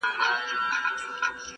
په دې فکر کي خورا په زړه افګار یو؛